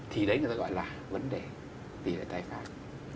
thì đấy người ta gọi là vấn đề tỷ lệ tái phát